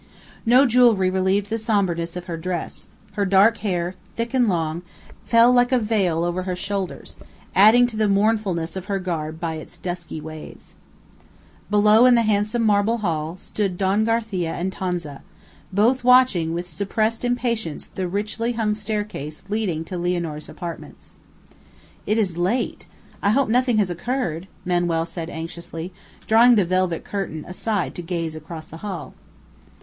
No jewelry relieved the somberness of her dress; her dark hair, thick and long, fell like a veil over her shoulders, adding to the mournfulness of her garb by its dusky waves. Below, in the handsome marble hall, stood Don Garcia and Tonza, both watching with suppressed impatience the richly hung staircase leading to Lianor's apartments. "It is late. I hope nothing has occurred," Manuel said anxiously, drawing the velvet curtain aside to gaze across the hall.